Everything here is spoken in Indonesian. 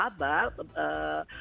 yang kemarin kami lakukan pekan waralaba